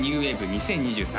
２０２３」